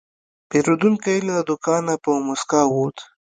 پیرودونکی له دوکانه په موسکا ووت.